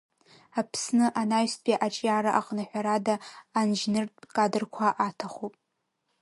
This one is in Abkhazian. Аԥсны анаҩстәи аҿиара аҟны ҳәарада, анџьныртә кадрқәа аҭахуп.